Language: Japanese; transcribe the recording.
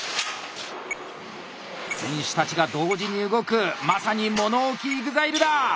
選手たちが同時に動くまさに物置ＥＸＩＬＥだ！